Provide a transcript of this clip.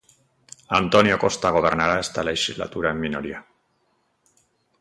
António Costa gobernará esta lexislatura en minoría.